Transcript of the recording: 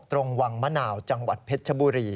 ตรงวังมะนาวจังหวัดเพชรชบุรี